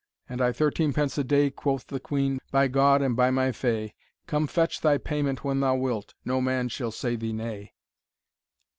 And I thirteenpence a day, quoth the queen, By God and by my faye, Come fetch thy payment when thou wilt, No man shall say thee nay.